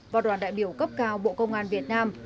và đoàn đại biểu cấp cao bộ công an việt nam